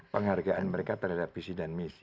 penghargaan mereka terhadap visi dan misi